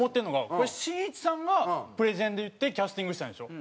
これしんいちさんがプレゼンで言ってキャスティングしたんでしょ？